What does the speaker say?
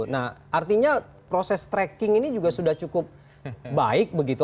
nah artinya proses tracking ini juga sudah cukup baik begitu